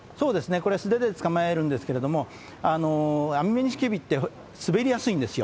これ、素手で捕まえるんですけども、アミメニシキヘビって、滑りやすいんですよ。